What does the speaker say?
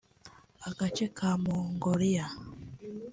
Agace ka Mongolia